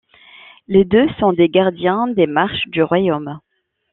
Les deux sont des gardiens des marches du royaume.